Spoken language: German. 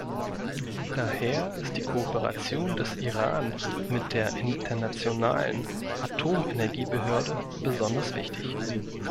Daher ist die Kooperation des Iran mit der Internationalen Atomenergiebehörde besonders wichtig.